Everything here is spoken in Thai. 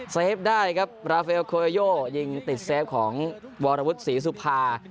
เฟฟได้ครับบราเฟลโคโยยิงติดเซฟของวรวุฒิศรีสุภา